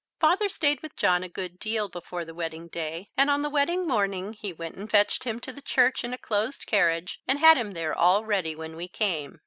Father stayed with John a good deal before the wedding day, and on the wedding morning he went and fetched him to the church in a closed carriage and had him there all ready when we came.